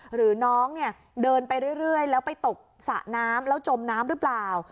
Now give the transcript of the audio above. หรือน้องเนี่ยเดินไปเรื่อยแล้วไปตกสระน้ำแล้วจมน้ำหรือเปล่า